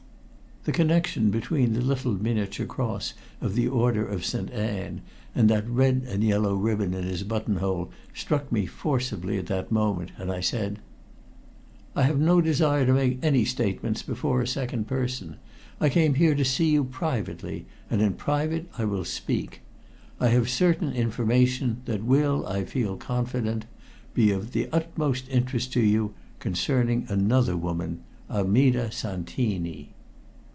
The connection between the little miniature cross of the Order of St. Anne and that red and yellow ribbon in his button hole struck me forcibly at that moment, and I said: "I have no desire to make any statements before a second person. I came here to see you privately, and in private will I speak. I have certain information that will, I feel confident, be of the utmost interest to you concerning another woman, Armida Santini."